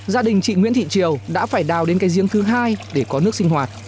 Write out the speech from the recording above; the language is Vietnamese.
gia đình chị nguyễn thị triều đã phải đào đến cây riêng thứ hai để có nước sinh hoạt